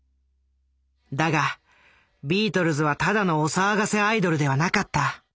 だがビートルズはただのお騒がせアイドルではなかった。